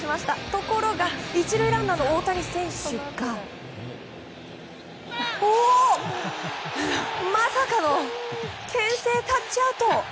ところが１塁ランナーの大谷選手がまさかの牽制タッチアウト！